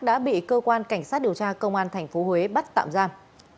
đã bị cơ quan cảnh sát điều tra công an tp huế bắt tạm giam